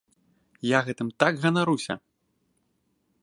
Я гэтым так ганаруся!